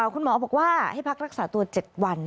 คุณหมอบอกว่าให้พักรักษาตัว๗วัน